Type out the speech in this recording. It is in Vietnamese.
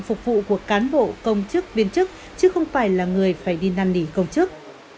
phục vụ của cán bộ công chức viên chức chứ không phải là người phải đi năn nỉ công chức